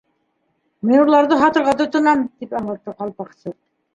—Мин уларҙы һатырға тотонам, —тип аңлатты Ҡалпаҡсы.